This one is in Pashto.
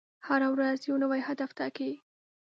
هره ورځ یو نوی هدف ټاکئ.